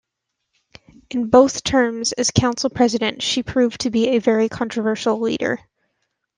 In both terms as council president, she proved to be a very controversial leader.